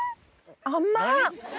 甘っ！